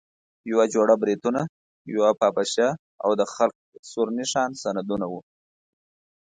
یوه جوړه بریتونه، یوه پاپشه او د خلق سور نښان سندونه وو.